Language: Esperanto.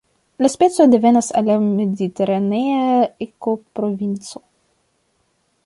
La specio devenas el la mediteranea ekoprovinco.